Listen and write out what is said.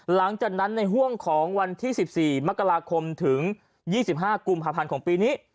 หลังจากนั้นในห่วงของวันที่๑๔มกราคมถึง๒๕กุมภาพันธ์ของปีนี้